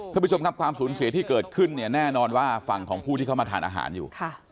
ท่านผู้ชมครับความสูญเสียที่เกิดขึ้นเนี่ยแน่นอนว่าฝั่งของผู้ที่เขามาทานอาหารอยู่